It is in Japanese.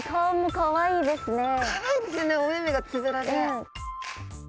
かわいいですよねお目々がつぶらで。